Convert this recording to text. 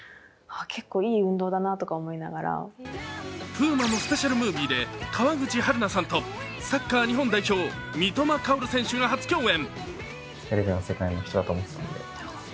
プーマのスペシャルムービーで川口春奈さんとサッカー日本代表・三笘薫選手が初共演。